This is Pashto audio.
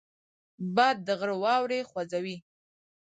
باد د غره واورې خوځوي